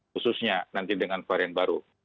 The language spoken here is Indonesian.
khususnya nanti dengan varian baru